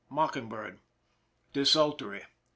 Mocking bird. Desultory.